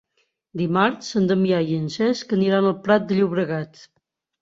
Dimarts en Damià i en Cesc aniran al Prat de Llobregat.